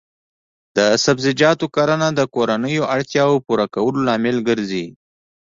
د سبزیجاتو کرنه د کورنیو اړتیاوو پوره کولو لامل ګرځي.